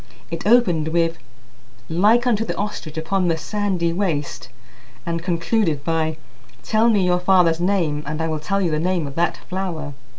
It opened with: "Like unto the ostrich upon the sandy waste" and concluded by: "Tell me your father's name, and I will tell you the name of that flower."